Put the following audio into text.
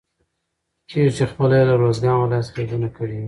کېږي چې خپله يې له روزګان ولايت څخه ليدنه کړي وي.